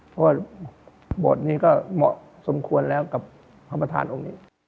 เพราะว่าบทนี้ก็เหมาะสมควรแล้วกับพระประธานองค์นี้